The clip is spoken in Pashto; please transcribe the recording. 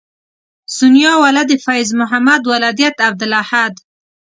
سونیا ولد فیض محمد ولدیت عبدالاحد